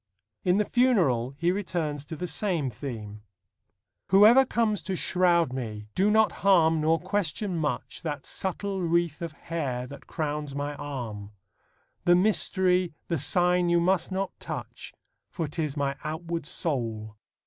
In The Funeral he returns to the same theme: Whoever comes to shroud me do not harm Nor question much That subtle wreath of hair that crowns my arm; The mystery, the sign you must not touch, For 'tis my outward soul.